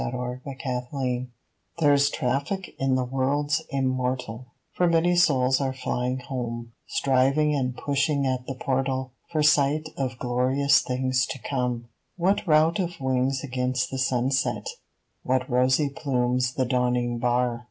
ALL SOULS 57 ALL SOULS THERE'S traffic in the worlds immortal, For many souls are flying home, Striving and pushing at the portal For sight of glorious things to come. What rout of wings against the sunset ? What rosy plumes the dawning bar